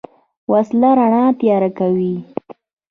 وسله رڼا تیاره کوي